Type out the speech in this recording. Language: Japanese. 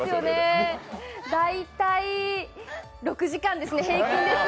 大体６時間ですね、平均です。